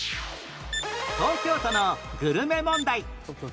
東京都のグルメ問題